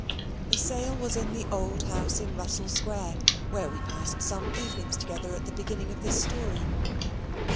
The sale was at the old house in Russell Square, where we passed some evenings together at the beginning of this story.